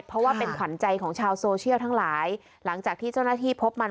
เพราะว่าเป็นขวัญใจของชาวโซเชียลทั้งหลายหลังจากที่เจ้าหน้าที่พบมัน